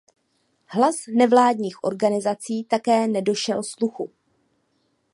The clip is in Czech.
Hlas nevládních organizací také nedošel sluchu.